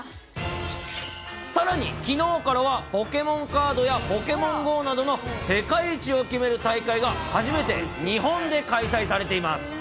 さらに、きのうからはポケモンカードやポケモンＧＯなどの世界一を決める大会が、初めて日本で開催されています。